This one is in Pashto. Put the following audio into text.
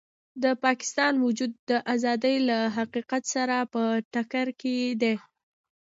د پاکستان وجود د ازادۍ له حقیقت سره په ټکر کې دی.